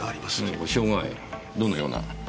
どのような？